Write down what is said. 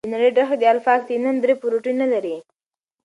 د نړۍ ډېر خلک د الفا اکتینین درې پروټین نه لري.